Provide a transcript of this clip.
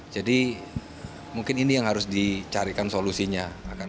mungkin ini yang harus dicarikan solusinya